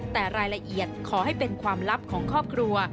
แต่รายละเอียดขอให้เป็นความลับของครอบครัว